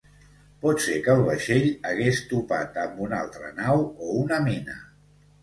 Pot ser que el vaixell hagués topat amb una altra nau o una mina.